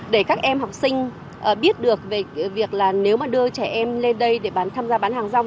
để các em học sinh biết được về việc nếu đưa trẻ em lên đây để tham gia bán hàng rong